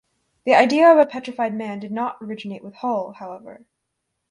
The idea of a petrified man did not originate with Hull, however.